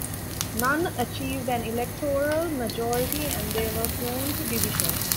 None achieved an electoral majority and they were prone to divisions.